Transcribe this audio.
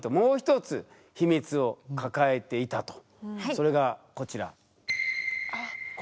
それがこちら。